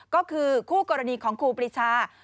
ก็คือคู่กรณีของครูปรีชา